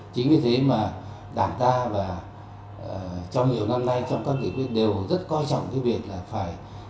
chính vì thế mà đảng ta và trong nhiều năm nay trong các nghị quyết đều rất coi trọng cái việc là phải